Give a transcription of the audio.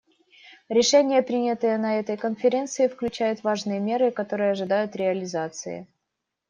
Решения, принятые на этой Конференции, включают важные меры, которые ожидают реализации.